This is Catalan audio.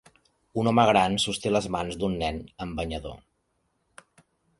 Un home gran sosté les mans d'un nen amb banyador.